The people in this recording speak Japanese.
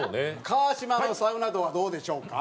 川島のサウナ道はどうでしょうか？